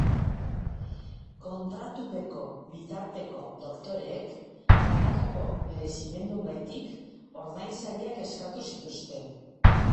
Kontratupeko bitarteko doktoreek banakako merezimenduengatik ordainsariak eskatu zituzten.